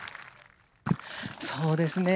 そうですね。